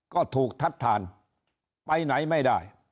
ก็ถูกทัดทานไปไหนไม่ได้